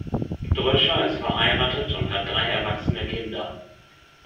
Dröscher ist verheiratet und hat drei erwachsene Kinder.